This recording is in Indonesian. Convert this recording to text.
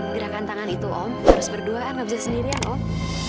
gerakan tangan itu om harus berdua kan nggak bisa sendirian om